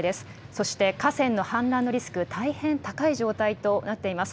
そして、河川の氾濫のリスク、大変高い状態となっています。